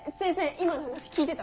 今の話聞いてた？